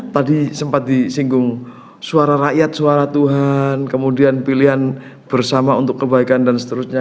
tadi sempat disinggung suara rakyat suara tuhan kemudian pilihan bersama untuk kebaikan dan seterusnya